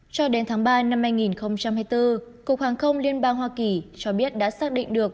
cho đến tháng ba năm hai nghìn hai mươi bốn cục hàng không liên bang hoa kỳ cho biết đã xác định được